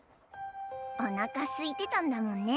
おなかすいてたんだもんね。